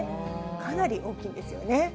かなり大きいですよね。